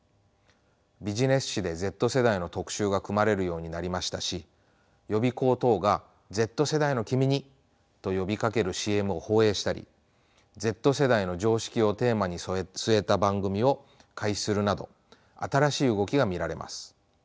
ビジネス誌でＺ世代の特集が組まれるようになりましたし予備校等が「Ｚ世代のキミに」と呼びかけるＣＭを放映したりＺ世代の常識をテーマに据えた番組を開始するなど新しい動きが見られます。